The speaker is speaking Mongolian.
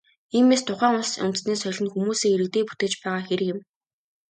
Иймээс, тухайн улс үндэстний соёл нь хүмүүсээ, иргэдээ бүтээж байгаа хэрэг юм.